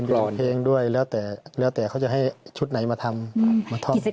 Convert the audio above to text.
มีคำเพลงด้วยแล้วแต่แล้วแต่เขาจะให้ชุดไหนมาทำอืม